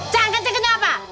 jangan kena kenapa